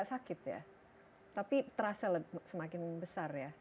sakit ya tapi terasa semakin besar ya